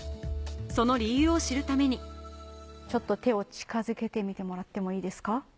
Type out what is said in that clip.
その理由を知るためにちょっと手を近づけてみてもらってもいいですか？